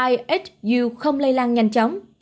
ihu không lây lan nhanh chóng